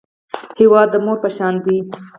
هېواد د مور په شان دی